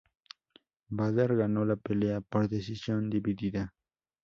Bader ganó la pelea por decisión dividida.